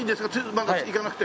まだいかなくて。